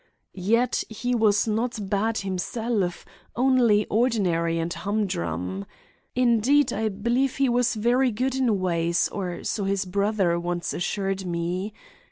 Yet he was not bad himself; only ordinary and humdrum. Indeed, I believe he was very good in ways, or so his brother once assured me.